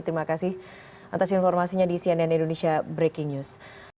terima kasih atas informasinya di cnn indonesia breaking news